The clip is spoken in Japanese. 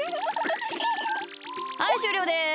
はいしゅうりょうです。